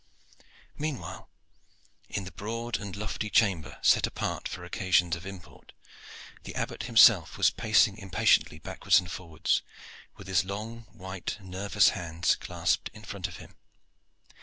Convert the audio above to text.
Meanwhile, in the broad and lofty chamber set apart for occasions of import, the Abbot himself was pacing impatiently backwards and forwards, with his long white nervous hands clasped in front of him.